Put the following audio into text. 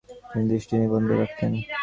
তিনি দৃষ্টি নিবদ্ধ রাখতেন।